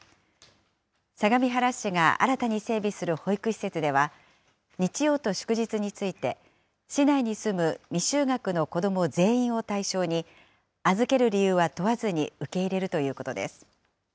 相模原市が新たに設備する保育施設では、日曜と祝日について、市内に住む未就学の子ども全員を対象に、預ける理由は問わずに受け入れるということです。